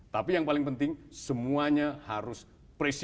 tapi yang paling penting semuanya harus presisi